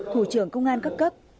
thủ trưởng công an cấp cấp